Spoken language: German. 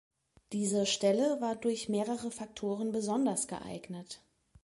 Diese Stelle war durch mehrere Faktoren besonders geeignet.